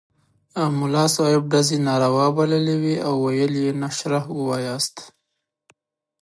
ملا صاحب ډزې ناروا بللې وې او ویل یې نشره ووایاست.